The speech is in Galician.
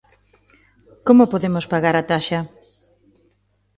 Como podemos pagar a taxa?